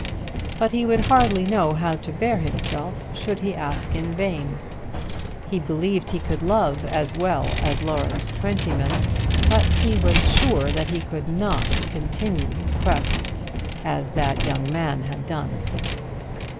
But he would hardly know how to bear himself should he ask in vain. He believed he could love as well as Lawrence Twentyman, but he was sure that he could not continue his quest as that young man had done.